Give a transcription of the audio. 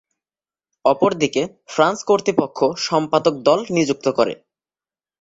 অপরদিকে, ফ্রান্স কর্তৃপক্ষ সম্পাদক দল নিযুক্ত করে।